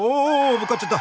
ぶつかっちゃった。